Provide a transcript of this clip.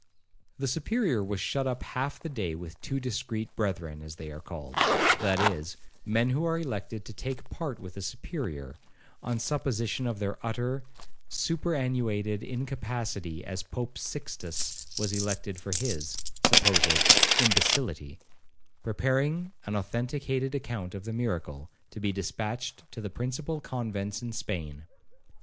The Superior was shut up half the day with two discreet brethren, as they are called, (that is, men who are elected to take part with the Superior, on supposition of their utter, superannuated incapacity, as Pope Sixtus was elected for his (supposed) imbecillity), preparing an authenticated account of the miracle, to be dispatched to the principal convents in Spain.